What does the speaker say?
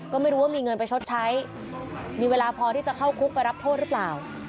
ก็ไม่รู้ว่ามีเงินไปชดใช้มีเวลาพอที่จะเข้าคุกไปรับโทษหรือเปล่า